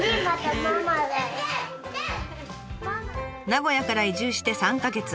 名古屋から移住して３か月。